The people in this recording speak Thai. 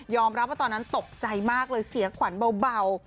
รับว่าตอนนั้นตกใจมากเลยเสียขวัญเบา